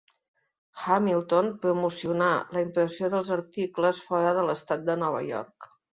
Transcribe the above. Hamilton promocionà la impressió dels articles fora de l'Estat de Nova York.